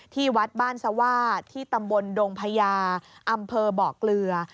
ที่วัดบ้านสว่าที่ตำบลดงพญาอำเภอบ่อเกลือ